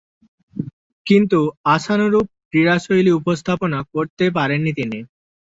কিন্তু, আশানুরূপ ক্রীড়াশৈলী উপস্থাপনা করতে পারেননি তিনি।